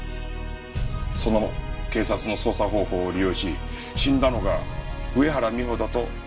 その警察の捜査方法を利用し死んだのが上原美帆だと我々に思い込ませた。